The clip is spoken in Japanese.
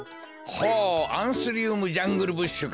ほうアンスリウムジャングルブッシュか。